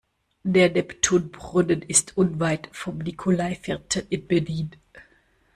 Der Neptunbrunnen ist unweit vom Nikolaiviertel in Berlin.